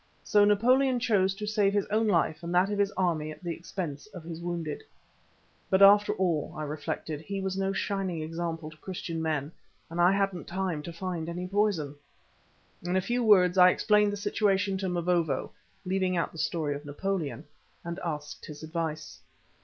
So Napoleon chose to save his own life and that of his army at the expense of his wounded. But, after all, I reflected, he was no shining example to Christian men and I hadn't time to find any poison. In a few words I explained the situation to Mavovo, leaving out the story of Napoleon, and asked his advice.